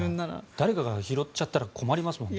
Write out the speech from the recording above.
誰かが拾っちゃったら困りますもんね。